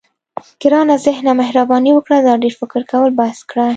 ګرانه ذهنه مهرباني وکړه دا ډېر فکر کول بس کړه.